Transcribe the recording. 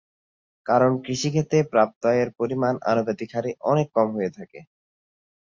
কারণ কৃষিক্ষেত্রে প্রাপ্ত আয়ের পরিমাণ আনুপাতিক হারে অনেক কম হয়ে থাকে।